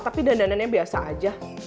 tapi dandan dandannya biasa aja